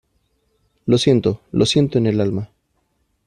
lo siento, lo siento en el alma.